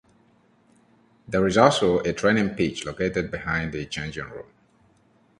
There is also a training pitch located behind the changing rooms.